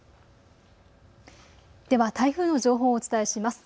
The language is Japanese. では台風の情報をお伝えします。